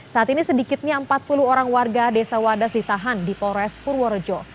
saat ini sedikitnya empat puluh orang warga desa wadas ditahan di polres purworejo